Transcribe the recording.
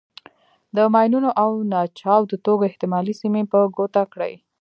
د ماینونو او ناچاودو توکو احتمالي سیمې په ګوته کړئ.